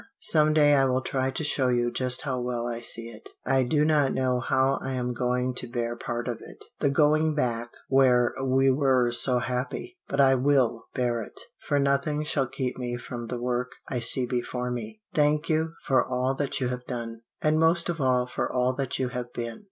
Some day I will try to show you just how well I see it. "I do not know how I am going to bear part of it the going back where we were so happy. But I will bear it, for nothing shall keep me from the work I see before me. "Thank you for all that you have done, and most of all for all that you have been.